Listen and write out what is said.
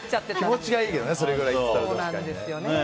気持ちがいいけどねそれぐらいやってたら。